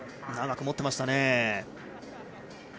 長く持っていましたね。